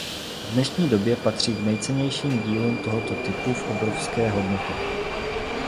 V dnešní době patří k nejcennějším dílům tohoto typu v obrovské hodnotě.